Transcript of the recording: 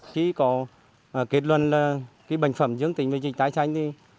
khi có kết luận bệnh phẩm dưỡng tình với dịch tai xanh